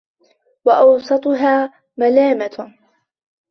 وَأَوْسَطُهَا مَلَامَةٌ